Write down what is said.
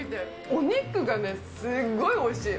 お肉がすごいおいしい。